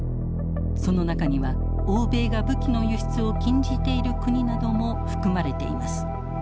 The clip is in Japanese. その中には欧米が武器の輸出を禁じている国なども含まれています。